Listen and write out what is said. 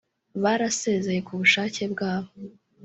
barasezeye ku bushake bwabo